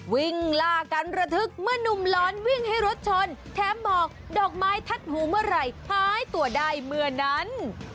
วิ่งล่ากันระทึกเมื่อนุ่มร้อนวิ่งให้รถชนแถมบอกดอกไม้ทัดหูเมื่อไหร่หายตัวได้เมื่อนั้น